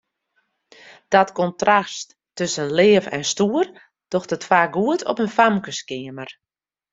Dat kontrast tusken leaf en stoer docht it faak goed op in famkeskeamer.